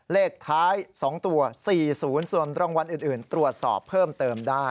เลขท้าย๒ตัว๔๐ส่วนรางวัลอื่นตรวจสอบเพิ่มเติมได้